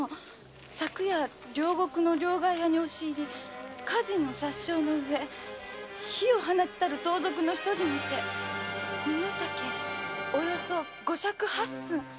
昨夜両国の両替屋に押し入り家人を殺傷の上火を放ちたる盗賊の１人身の丈およそ５尺８寸」